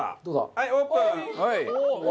はいオープン。